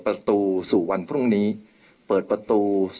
เพื่อยุดยั้งการสืบทอดอำนาจของขอสอชอต่อและยังพร้อมจะเป็นนายกรัฐมนตรี